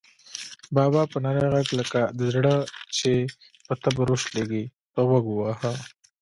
بابا په نري غږ لکه دړه چې په تبر وشلېږي، په غوږ وواهه.